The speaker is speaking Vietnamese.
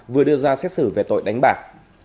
vừa đưa ra xét xử về tội đánh bạc